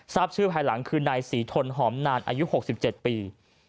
ทราบชื่อภายหลังคือนายศรีทนหอมนานอายุ๖๗ปี